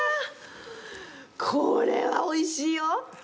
これはおいしいよ！